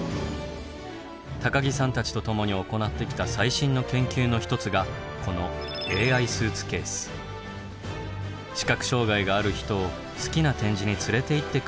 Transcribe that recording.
高木さんたちと共に行ってきた最新の研究の一つがこの視覚障害がある人を好きな展示に連れていってくれるのです。